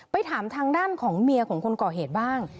ถามทางด้านของเมียของคนก่อเหตุบ้าง